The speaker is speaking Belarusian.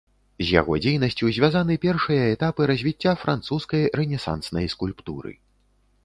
З яго дзейнасцю звязаны першыя этапы развіцця французскай рэнесанснай скульптуры.